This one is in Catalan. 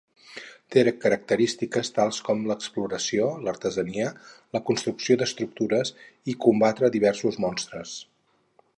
Té característiques tals com l'exploració, l'artesania, la construcció d'estructures i combatre diversos monstres.